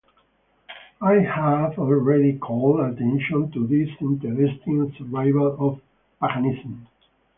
I have already called attention to this interesting survival of paganism.